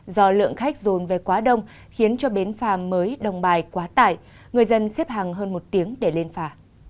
do lượng khách dồn về quá đông khiến cho bến phà mới đông bài quá tải người dân xếp hàng hơn một tiếng để lên phà